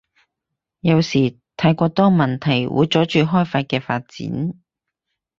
有時太過多問題會阻住開法嘅發展